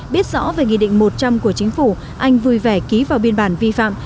biết rõ về nghị định một trăm linh của chính phủ anh vui vẻ ký vào biên bản vi phạm